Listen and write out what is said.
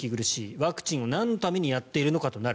ワクチンをなんのためにやっているのかとなる。